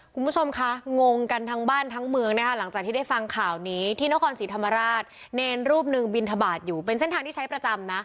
คุณผู้ชมคะงงกันทั้งบ้านทั้งเมืองนะคะหลังจากที่ได้ฟังข่าวนี้ที่นครศรีธรรมราชเนรรูปหนึ่งบินทบาทอยู่เป็นเส้นทางที่ใช้ประจำนะ